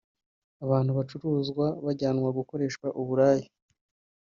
Abantu bacuruzwa bajyanwa gukoreshwa uburaya